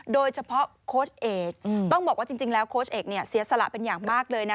โดยเฉพาะโค้ชเอกต้องบอกว่าจริงแล้วโค้ชเอกเสียสละเป็นอย่างมากเลยนะ